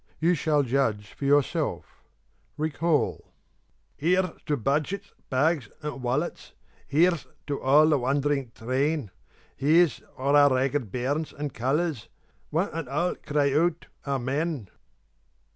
You shall judge for yourself. Recall: Here's to budgets, bags, and wallets! Here's to all the wandering train! Here's our ragged bairns and callers! One and all cry out, Amen!